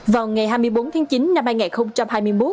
vào ngày hai mươi bốn tháng chín năm hai nghìn hai mươi một